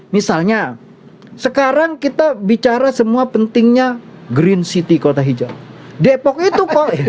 misalnya sekarang kita bicara semua pentingnya green city kota hijau